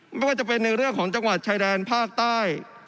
ไม่ว่าจะเป็นในเรื่องของจังหวัดชายแดนภาคใต้